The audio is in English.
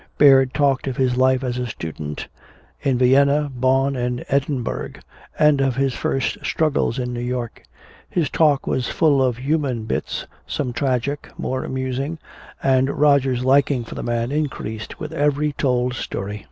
Baird talked of his life as a student, in Vienna, Bonn and Edinburgh, and of his first struggles in New York. His talk was full of human bits, some tragic, more amusing. And Roger's liking for the man increased with every story told.